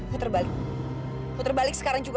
puter balik putar balik sekarang juga